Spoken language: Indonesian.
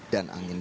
dan angin laut